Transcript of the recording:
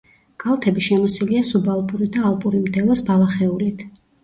კალთები შემოსილია სუბალპური და ალპური მდელოს ბალახეულით.